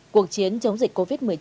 cuộc chiến chống dịch covid một mươi chín